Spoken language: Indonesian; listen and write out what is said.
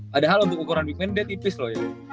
padahal untuk ukuran big man dia tipis loh ya